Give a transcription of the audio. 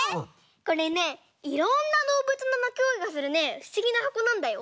これねいろんなどうぶつのなきごえがするねふしぎなはこなんだよ。